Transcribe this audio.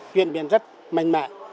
chuyên biến rất mạnh mẽ